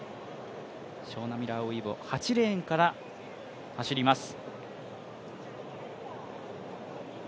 ショウナ・ミラーウイボ８レーンから走ります。